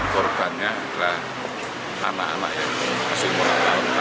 korbannya adalah anak anak yang masih murah tahun